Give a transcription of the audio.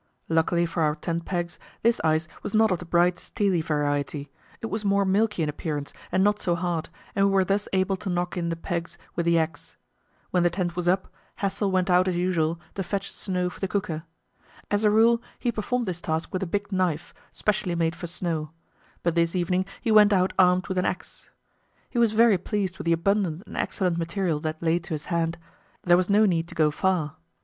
Luckily for our tent pegs, this ice was not of the bright, steely variety; it was more milky in appearance and not so hard, and we were thus able to knock in the pegs with the axe. When the tent was up, Hassel went out as usual to fetch snow for the cooker. As a rule he performed this task with a big knife, specially made for snow; but this evening he went out armed with an axe. He was very pleased with the abundant and excellent material that lay to his hand; there was no need to go far.